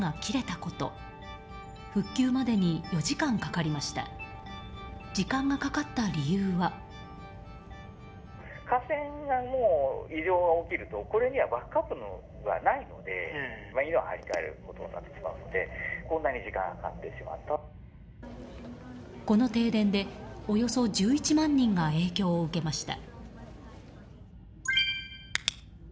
この停電で、およそ１１万人が影響を受けました。